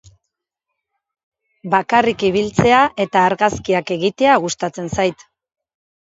Bakarrik ibiltzea eta argazkiak egitea gustatzen zait.